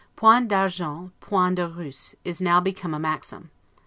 'Point d'argent, point de Russe', is now become a maxim.